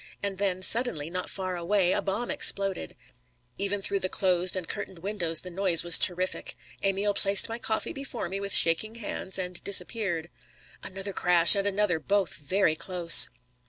And then suddenly, not far away, a bomb exploded. Even through the closed and curtained windows the noise was terrific. Emil placed my coffee before me with shaking hands, and disappeared. Another crash, and another, both very close!